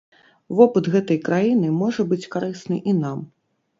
Вопыт гэтай краіны можа быць карысны і нам.